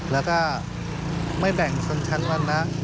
แล้วก็ไม่แบ่งชนชั้นวันนะ